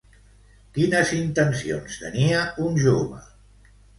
Quines intencions tenia un jove?